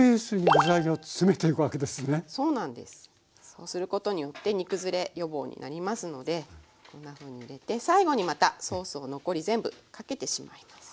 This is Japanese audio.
そうすることによって煮崩れ予防になりますのでこんなふうに入れて最後にまたソースを残り全部かけてしまいます。